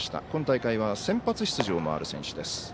今大会は先発出場もある選手です。